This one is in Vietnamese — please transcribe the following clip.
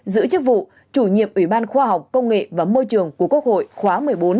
giữ chức vụ chủ nhiệm ủy ban khoa học công nghệ và môi trường của quốc hội khóa một mươi bốn